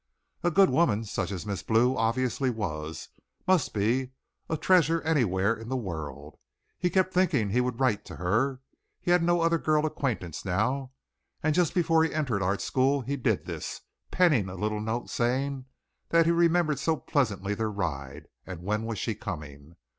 A good woman such as Miss Blue obviously was, must be a treasure anywhere in the world. He kept thinking he would write to her he had no other girl acquaintance now; and just before he entered art school he did this, penning a little note saying that he remembered so pleasantly their ride; and when was she coming?